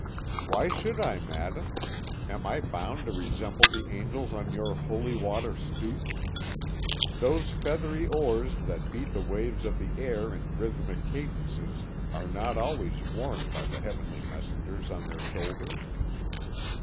"Why should I, Madame? Am I bound to resemble the angels on your holy water stoups? Those feathery oars that beat the waves of the air in rhythmic cadences are not always worn by the heavenly messengers on their shoulders.